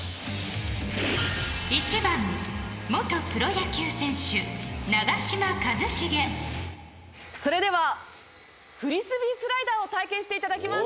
１番、元プロ野球選手長嶋一茂それではフリスビースライダーを体験していただきます。